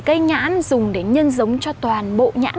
cây nhãn dùng để nhân giống cho toàn bộ nhãn